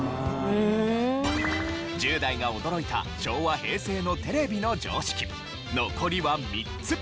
１０代が驚いた昭和・平成のテレビの常識残りは３つ。